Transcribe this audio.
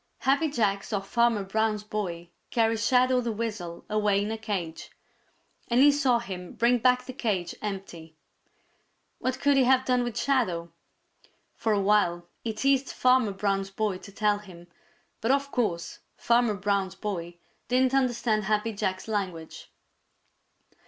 Happy Jack saw Farmer Brown's boy carry Shadow the Weasel away in a cage, and he saw him bring back the cage empty. What could he have done with Shadow? For a while he teased Farmer Brown's boy to tell him, but of course Farmer Brown's boy didn't understand Happy Jack's language.